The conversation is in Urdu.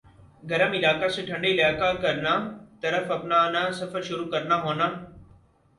گرم علاقہ سے ٹھنڈے علاقہ کرنا طرف اپنانا سفر شروع کرنا ہونا